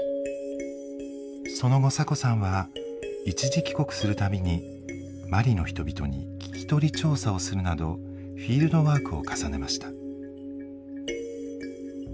その後サコさんは一時帰国する度にマリの人々に聞き取り調査をするなどフィールドワークを重ねました。